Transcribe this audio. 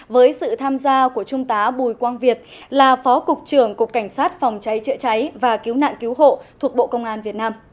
với sự tham gia của trung tá bùi quang việt là phó cục trưởng cục cảnh sát phòng cháy chữa cháy và cứu nạn cứu hộ thuộc bộ công an việt nam